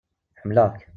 Ḥemlaɣ-k.